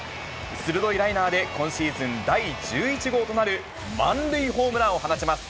鋭いライナーで、今シーズン第１１号となる満塁ホームランを放ちます。